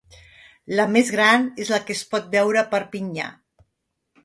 La més gran és la que es pot veure a Perpinyà.